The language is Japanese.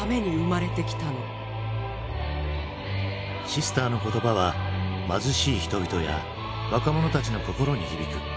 シスターの言葉は貧しい人々や若者たちの心に響く。